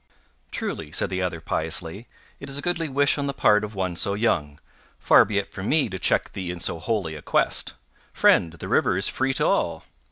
"Truly," said the other piously, "it is a goodly wish on the part of one so young. Far be it from me to check thee in so holy a quest. Friend, the river is free to all."